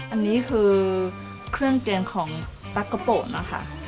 อันนี้คือเครื่องเตรียมของปะกะโปะนะคะ